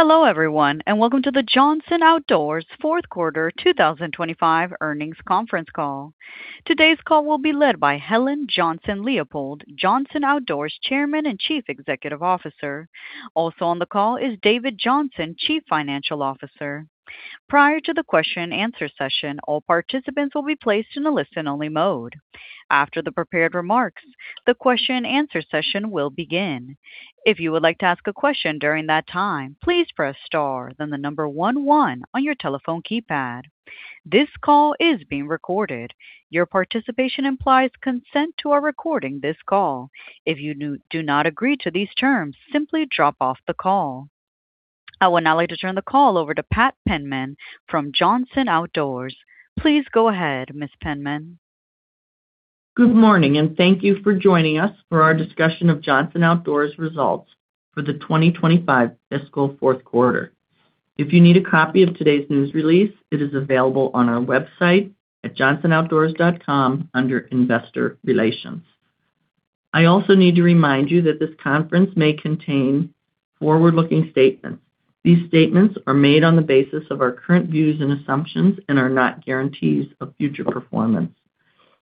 Hello everyone, and welcome to the Johnson Outdoors Fourth Quarter 2025 earnings conference call. Today's call will be led by Helen Johnson-Leipold, Johnson Outdoors Chairman and Chief Executive Officer. Also on the call is David Johnson, Chief Financial Officer. Prior to the question-and-answer session, all participants will be placed in a listen-only mode. After the prepared remarks, the question-and-answer session will begin. If you would like to ask a question during that time, please press star, then the number 11 on your telephone keypad. This call is being recorded. Your participation implies consent to our recording this call. If you do not agree to these terms, simply drop off the call. I will now like to turn the call over to Pat Penman from Johnson Outdoors. Please go ahead, Ms. Penman. Good morning, and thank you for joining us for our discussion of Johnson Outdoors results for the 2025 fiscal fourth quarter. If you need a copy of today's news release, it is available on our website at johnsonoutdoors.com under investor relations. I also need to remind you that this conference may contain forward-looking statements. These statements are made on the basis of our current views and assumptions and are not guarantees of future performance.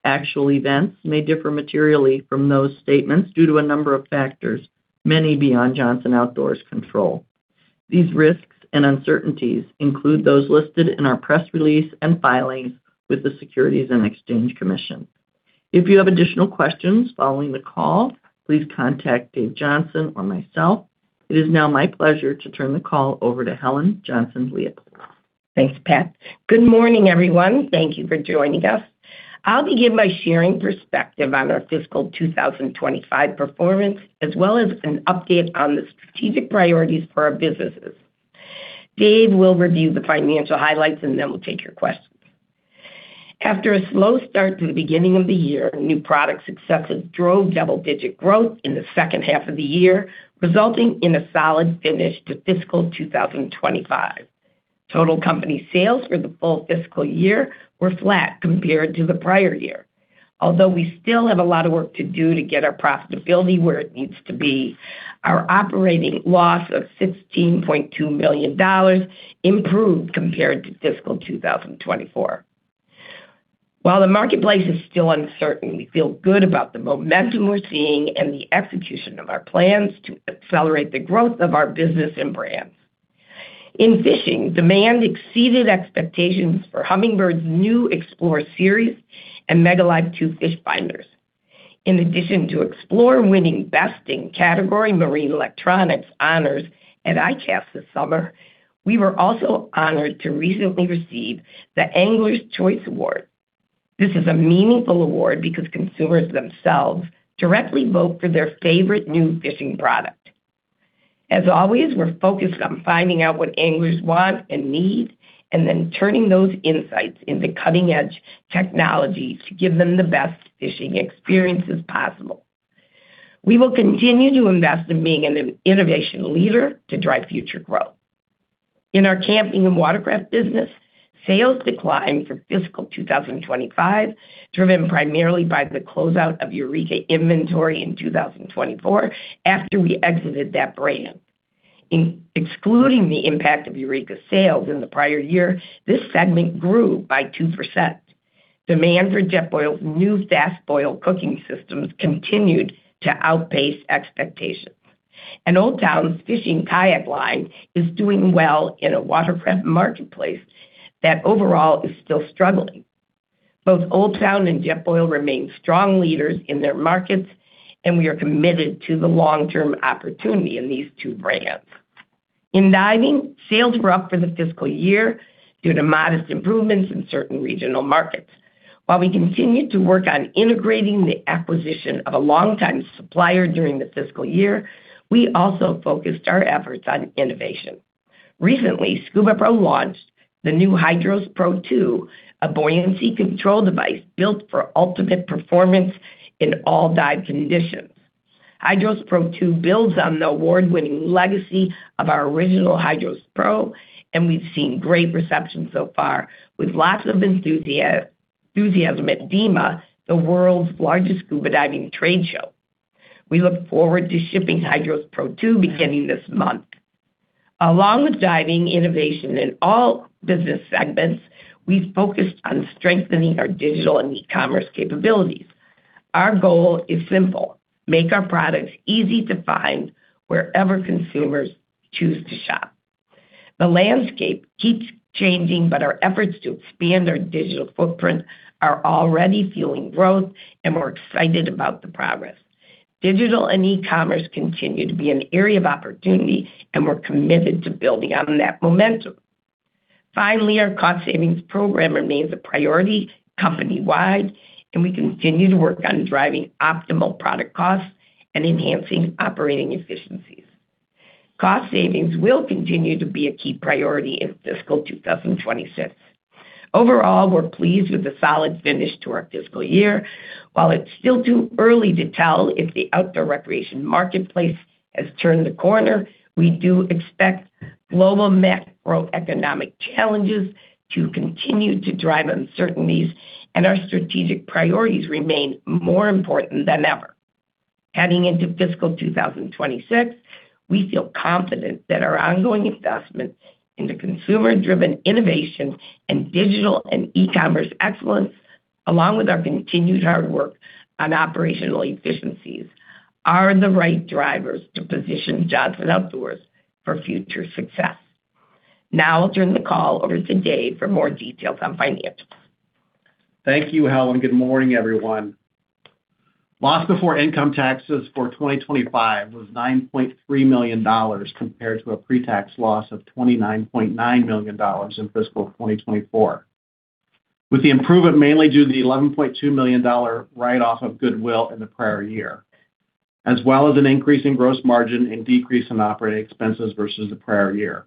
Actual events may differ materially from those statements due to a number of factors, many beyond Johnson Outdoors' control. These risks and uncertainties include those listed in our press release and filings with the Securities and Exchange Commission. If you have additional questions following the call, please contact Dave Johnson or myself. It is now my pleasure to turn the call over to Helen Johnson-Leipold. Thanks, Pat. Good morning, everyone. Thank you for joining us. I'll begin by sharing perspective on our fiscal 2025 performance, as well as an update on the strategic priorities for our businesses. Dave will review the financial highlights, and then we'll take your questions. After a slow start to the beginning of the year, new product successes drove double-digit growth in the second half of the year, resulting in a solid finish to fiscal 2025. Total company sales for the full fiscal year were flat compared to the prior year. Although we still have a lot of work to do to get our profitability where it needs to be, our operating loss of $16.2 million improved compared to fiscal 2024. While the marketplace is still uncertain, we feel good about the momentum we're seeing and the execution of our plans to accelerate the growth of our business and brands. In fishing, demand exceeded expectations for Humminbird's new Explore series and MEGA Live 2 fish finders. In addition to Explore winning Best in category, Marine Electronics honors at ICAST this summer, we were also honored to recently receive the Angler’s Choice Award. This is a meaningful award because consumers themselves directly vote for their favorite new fishing product. As always, we're focused on finding out what anglers want and need, and then turning those insights into cutting-edge technology to give them the best fishing experiences possible. We will continue to invest in being an innovation leader to drive future growth. In our camping and watercraft business, sales declined for fiscal 2025, driven primarily by the closeout of Eureka inventory in 2024 after we exited that brand. Excluding the impact of Eureka sales in the prior year, this segment grew by 2%. Demand for Jetboil's new fast boil cooking systems continued to outpace expectations, and Old Town's fishing kayak line is doing well in a watercraft marketplace that overall is still struggling. Both Old Town and Jetboil remain strong leaders in their markets, and we are committed to the long-term opportunity in these two brands. In diving, sales were up for the fiscal year due to modest improvements in certain regional markets. While we continued to work on integrating the acquisition of a longtime supplier during the fiscal year, we also focused our efforts on innovation. Recently, SCUBAPRO launched the new Hydros Pro 2, a buoyancy control device built for ultimate performance in all dive conditions. Hydros Pro 2 builds on the award-winning legacy of our original Hydros Pro, and we've seen great reception so far, with lots of enthusiasm at DEMA, the world's largest scuba diving trade show. We look forward to shipping Hydros Pro 2 beginning this month. Along with diving innovation in all business segments, we've focused on strengthening our digital and e-commerce capabilities. Our goal is simple: make our products easy to find wherever consumers choose to shop. The landscape keeps changing, but our efforts to expand our digital footprint are already fueling growth, and we're excited about the progress. Digital and e-commerce continue to be an area of opportunity, and we're committed to building on that momentum. Finally, our cost savings program remains a priority company-wide, and we continue to work on driving optimal product costs and enhancing operating efficiencies. Cost savings will continue to be a key priority in fiscal 2026. Overall, we're pleased with the solid finish to our fiscal year. While it's still too early to tell if the outdoor recreation marketplace has turned the corner, we do expect global macroeconomic challenges to continue to drive uncertainties, and our strategic priorities remain more important than ever. Heading into fiscal 2026, we feel confident that our ongoing investment into consumer-driven innovation and digital and e-commerce excellence, along with our continued hard work on operational efficiencies, are the right drivers to position Johnson Outdoors for future success. Now I'll turn the call over to Dave for more details on financials. Thank you, Helen. Good morning, everyone. Loss before income taxes for 2025 was $9.3 million compared to a pre-tax loss of $29.9 million in fiscal 2024, with the improvement mainly due to the $11.2 million write-off of Goodwill in the prior year, as well as an increase in gross margin and decrease in operating expenses versus the prior year.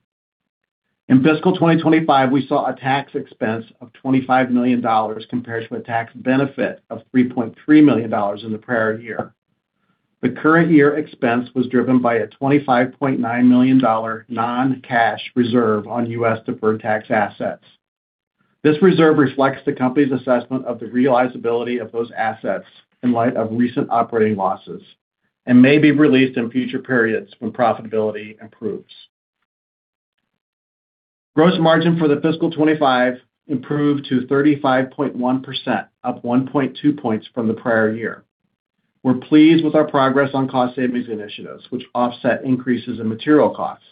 In fiscal 2025, we saw a tax expense of $25 million compared to a tax benefit of $3.3 million in the prior year. The current year expense was driven by a $25.9 million non-cash reserve on U.S. deferred tax assets. This reserve reflects the company's assessment of the realizability of those assets in light of recent operating losses and may be released in future periods when profitability improves. Gross margin for the fiscal 25 improved to 35.1%, up 1.2 points from the prior year. We're pleased with our progress on cost savings initiatives, which offset increases in material costs.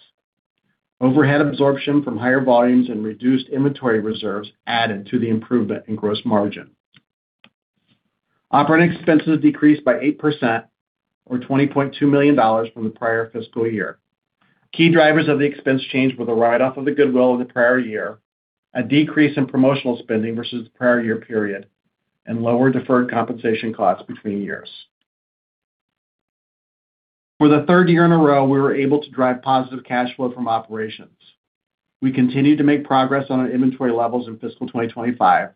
Overhead absorption from higher volumes and reduced inventory reserves added to the improvement in gross margin. Operating expenses decreased by 8%, or $20.2 million from the prior fiscal year. Key drivers of the expense change were the write-off of the Goodwill in the prior year, a decrease in promotional spending versus the prior year period, and lower deferred compensation costs between years. For the third year in a row, we were able to drive positive cash flow from operations. We continued to make progress on our inventory levels in fiscal 2025,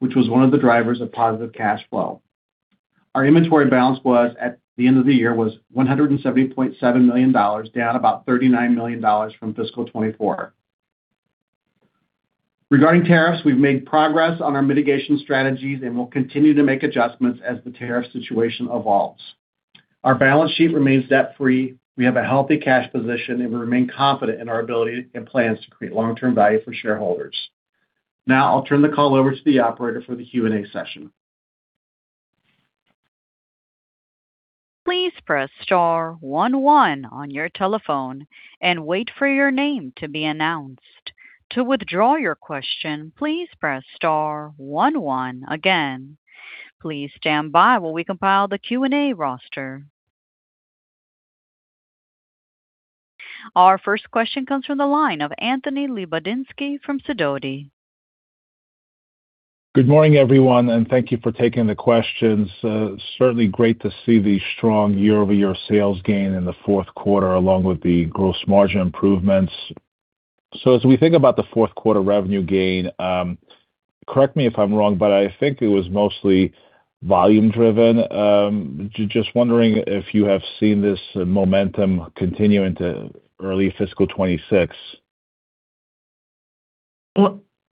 which was one of the drivers of positive cash flow. Our inventory balance at the end of the year was $170.7 million, down about $39 million from fiscal 2024. Regarding tariffs, we've made progress on our mitigation strategies and will continue to make adjustments as the tariff situation evolves. Our balance sheet remains debt-free. We have a healthy cash position, and we remain confident in our ability and plans to create long-term value for shareholders. Now I'll turn the call over to the operator for the Q&A session. Please press star 11 on your telephone and wait for your name to be announced. To withdraw your question, please press star 11 again. Please stand by while we compile the Q&A roster. Our first question comes from the line of Anthony Lebedinsky from Sidoti. Good morning, everyone, and thank you for taking the questions. Certainly great to see the strong year-over-year sales gain in the fourth quarter, along with the gross margin improvements. So as we think about the fourth quarter revenue gain, correct me if I'm wrong, but I think it was mostly volume-driven. Just wondering if you have seen this momentum continue into early fiscal 2026?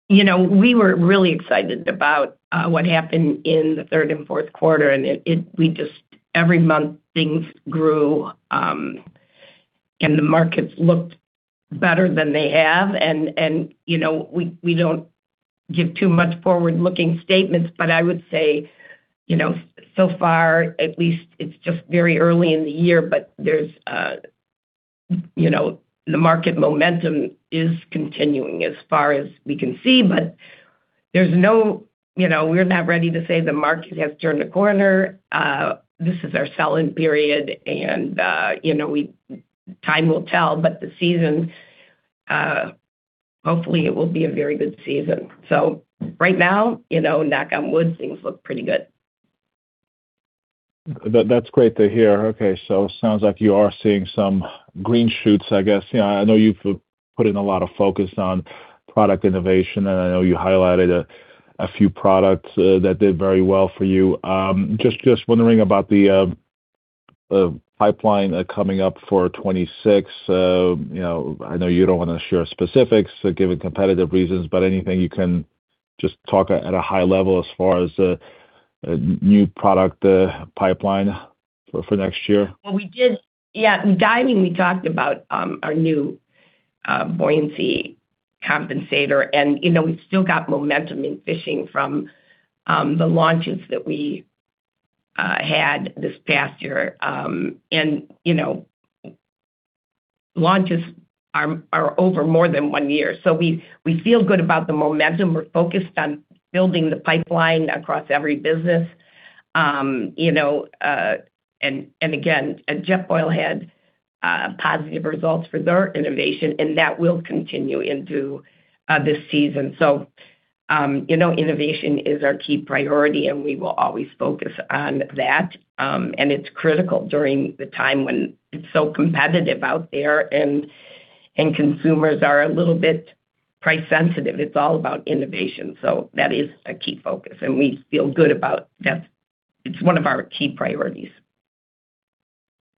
You know, we were really excited about what happened in the third and fourth quarter, and every month things grew, and the markets looked better than they have. We don't give too much forward-looking statements, but I would say, you know, so far, at least it's just very early in the year, but the market momentum is continuing as far as we can see. But there's no, you know, we're not ready to say the market has turned a corner. This is our sell-in period, and you know, time will tell, but the season, hopefully it will be a very good season. So right now, you know, knock on wood, things look pretty good. That's great to hear. Okay, so it sounds like you are seeing some green shoots, I guess. Yeah, I know you've put in a lot of focus on product innovation, and I know you highlighted a few products that did very well for you. Just wondering about the pipeline coming up for 2026. You know, I know you don't want to share specifics given competitive reasons, but anything you can just talk at a high level as far as a new product pipeline for next year? Yeah, we did, yeah. Diving, we talked about our new buoyancy compensator, and you know, we've still got momentum in fishing from the launches that we had this past year, and you know, launches are over more than one year, so we feel good about the momentum. We're focused on building the pipeline across every business. You know, and again, at Jetboil had positive results for their innovation, and that will continue into this season, so you know, innovation is our key priority, and we will always focus on that, and it's critical during the time when it's so competitive out there and consumers are a little bit price sensitive. It's all about innovation, so that is a key focus, and we feel good about that. It's one of our key priorities.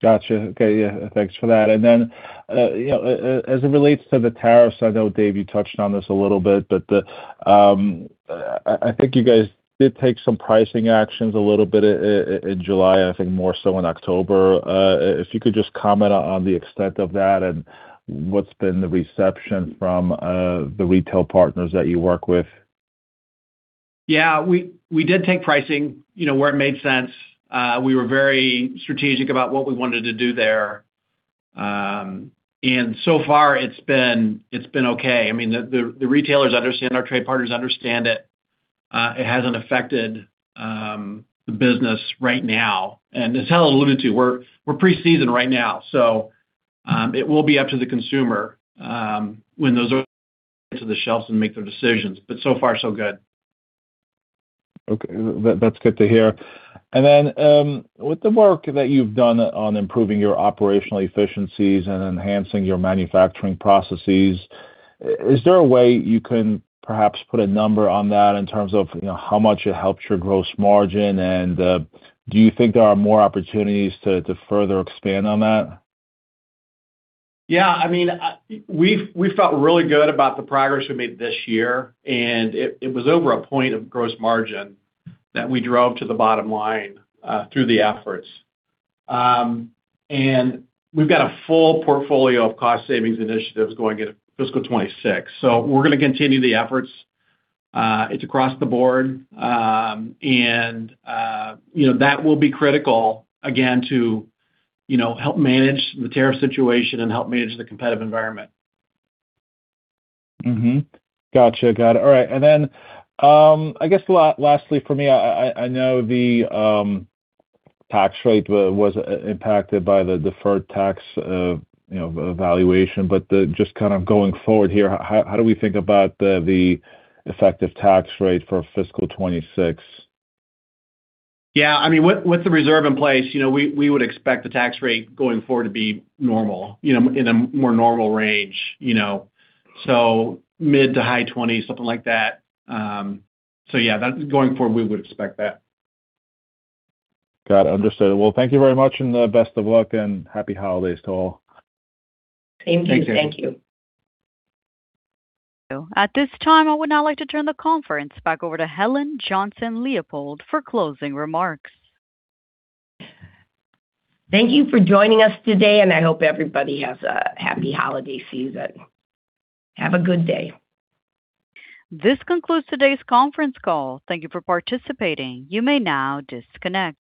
Gotcha. Okay, yeah, thanks for that. And then, you know, as it relates to the tariffs, I know, Dave, you touched on this a little bit, but I think you guys did take some pricing actions a little bit in July, I think more so in October. If you could just comment on the extent of that and what's been the reception from the retail partners that you work with? Yeah, we did take pricing, you know, where it made sense. We were very strategic about what we wanted to do there. And so far, it's been okay. I mean, the retailers understand, our trade partners understand it. It hasn't affected the business right now. And as Helen alluded to, we're pre-season right now, so it will be up to the consumer when those are to the shelves and make their decisions. But so far, so good. Okay, that's good to hear. And then with the work that you've done on improving your operational efficiencies and enhancing your manufacturing processes, is there a way you can perhaps put a number on that in terms of how much it helps your gross margin? And do you think there are more opportunities to further expand on that? Yeah, I mean, we felt really good about the progress we made this year, and it was over a point of gross margin that we drove to the bottom line through the efforts. And we've got a full portfolio of cost savings initiatives going into fiscal 2026. So we're going to continue the efforts. It's across the board. And you know, that will be critical again to, you know, help manage the tariff situation and help manage the competitive environment. Gotcha. Got it. All right. And then I guess lastly for me, I know the tax rate was impacted by the deferred tax valuation, but just kind of going forward here, how do we think about the effective tax rate for fiscal 2026? Yeah, I mean, with the reserve in place, you know, we would expect the tax rate going forward to be normal, you know, in a more normal range, you know, so mid to high 20s, something like that. So yeah, going forward, we would expect that. Got it. Understood. Well, thank you very much and best of luck and happy holidays to all. Thank you. Thank you. At this time, I would now like to turn the conference back over to Helen Johnson-Leipold for closing remarks. Thank you for joining us today, and I hope everybody has a happy holiday season. Have a good day. This concludes today's conference call. Thank you for participating. You may now disconnect.